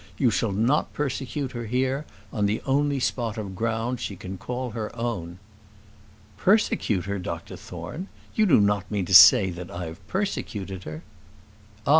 You shall not persecute her here, on the only spot of ground she can call her own." "Persecute her, Dr Thorne! You do not mean to say that I have persecuted her?" "Ah!